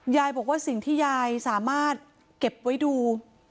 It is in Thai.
ยายบอกว่าสิ่งที่ยายสามารถเก็บไว้ดู